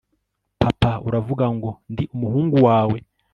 papa uravuga ngo ndi umuhungu wawe